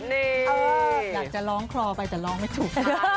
อยากจะร้องคลอไปแต่ร้องไม่ถูก